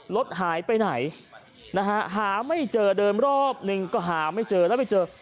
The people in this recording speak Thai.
รถหายไปไหนนะฮะหาไม่เจอเดินรอบหนึ่งก็หาไม่เจอแล้วไปเจอ